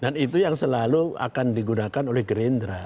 dan itu yang selalu akan digunakan oleh gerindra